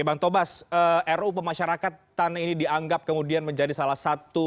bang taufik basari bang tobas ru pemasyarakatan ini dianggap kemudian menjadi salah satu